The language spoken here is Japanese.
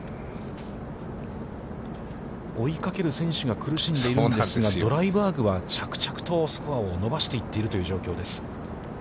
追いかける選手が苦しんでいるんですが、ドライバーグは着々とスコアを伸ばしていっているという状況です。